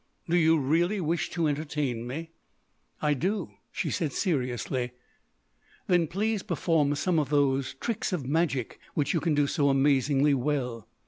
"Do you really wish to entertain me?" "I do," she said seriously. "Then please perform some of those tricks of magic which you can do so amazingly well."